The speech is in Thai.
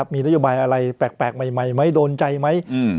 มีนโยบายอะไรแปลกใหม่ไหมโดนใจไหม